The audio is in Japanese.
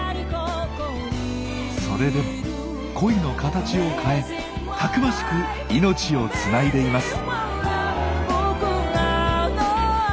それでも恋の形を変えたくましく命をつないでいます。